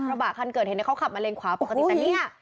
บะคันเกิดเหตุเขาขับมาเลนขวาปกติแต่เนี่ย